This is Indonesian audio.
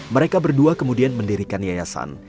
mereka berdua kemudian mendirikan yayasan